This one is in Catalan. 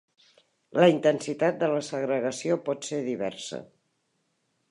La intensitat de la segregació pot ser diversa.